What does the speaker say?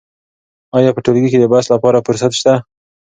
آیا په ټولګي کې د بحث لپاره فرصت شته؟